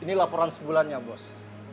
ini laporan sebulannya bos